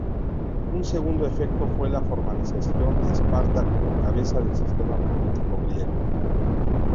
Un segundo efecto fue la formalización de Esparta como cabeza del sistema político griego.